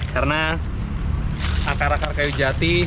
karena akar akar kayu jati